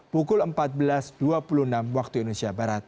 pukul empat belas dua puluh enam wib